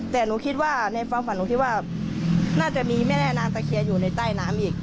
แต่หนูคิดว่าในความฝันหนูคิดว่าน่าจะมีแม่แม่นางตะเคียนอยู่ในใต้น้ำอีก